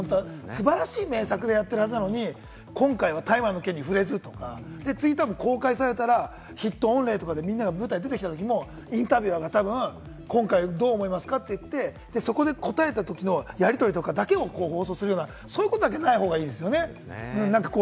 素晴らしい名作でやってるはずなのに、今回は大麻の件に触れずとか、ツイートは公開されたらヒット御礼とかでみんなが舞台出てきたときもインタビュアーがたぶん今回どう思いますか？って言って、そこで応えたときのやり取りとかだけを放送するような、そういうことが出ない方がいいですよね。